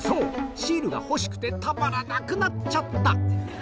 シールが欲しくてたまらなくなっちゃった！